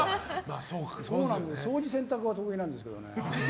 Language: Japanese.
掃除、洗濯は得意なんだけどね。